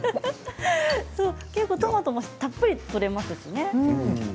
トマトもたっぷりとれますしね。